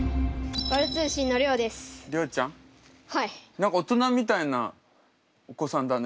何か大人みたいなお子さんだね。